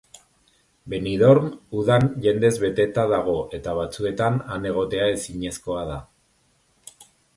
Benidorm udan jendez beteta dago eta batzuetan han egotea ezinezkoa da.